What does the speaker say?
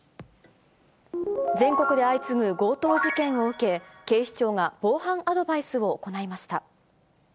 全国で相次ぐ強盗事件を受け、警視庁が防犯アドバイスを行いました。